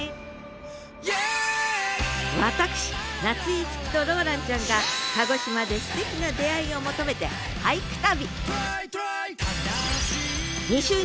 私夏井いつきとローランちゃんが鹿児島ですてきな出会いを求めて俳句旅！